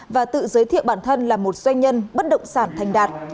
và tự giới thiệu bản thân là một doanh nhân bất động sản thành đạt